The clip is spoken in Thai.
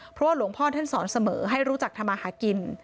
เพราะว่าหลวงพ่อท่านสอนเสมอให้รู้จักทำมาหากิน